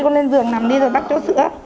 con lên giường nằm đi rồi bác cho sữa